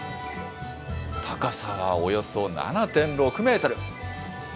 高さはおよそ７．６メートル。